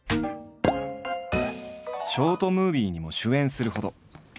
ショートムービーにも主演するほど。